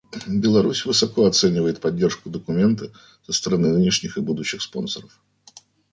Беларусь высоко оценивает поддержку документа со стороны нынешних и будущих спонсоров.